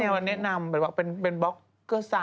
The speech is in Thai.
ก็แบบไหนแน่นนำแบบว่าเป็นเป็นบ๊อกเกอร์สาย